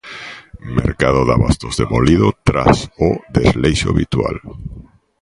Mercado de abastos demolido tras o desleixo habitual.